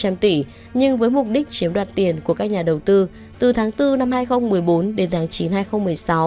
mục đích chiếm đoạt tiền của các nhà đầu tư từ tháng bốn năm hai nghìn một mươi bốn đến tháng chín năm hai nghìn một mươi sáu